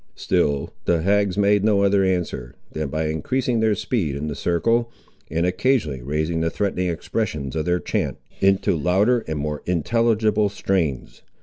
Still the hags made no other answer, than by increasing their speed in the circle, and occasionally raising the threatening expressions of their chant, into louder and more intelligible strains.